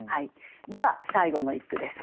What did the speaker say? では最後の一句です。